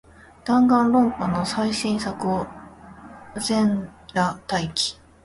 ダンガンロンパの最新作を、全裸待機